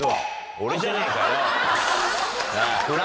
俺じゃねえかよ！